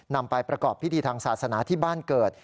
นำไปประกอบพิธีทางศาสนาที่บ้านเกิด